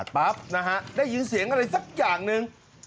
ปั๊บนะฮะได้ยินเสียงอะไรสักอย่างหนึ่ง